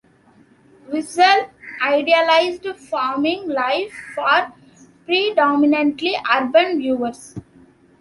Wissel idealised farming life for predominantly urban viewers.